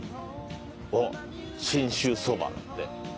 おっ「信州そば」だって。